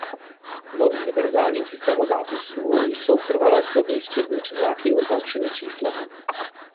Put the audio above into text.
V univerzálním systému zápisu jsou trvalé spodní střední řezáky označeny číslem.